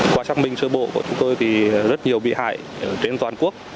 qua xác minh sơ bộ của chúng tôi thì rất nhiều bị hại trên toàn quốc